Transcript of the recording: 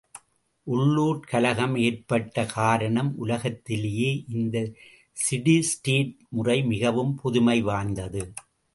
உள்ளுர்க் கலகம் ஏற்பட்ட காரணம் உலகிலேயே இந்த சிடி ஸ்டேட் முறை மிகவும் புதுமை வாய்ந்தது.